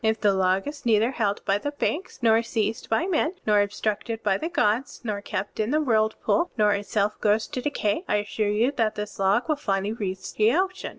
If the log is neither held by the banks, nor seized by men, nor obstructed by the gods, nor kept in the whirlpool, nor itself goes to decay, I assure you that this log will finally reach the ocean.